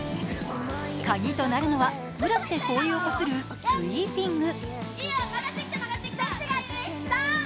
カギとなるのはブラシで氷をこするスイーピング。